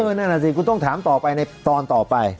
นั่นแหละสิคุณต้องถามต่อไปในตอนต่อไป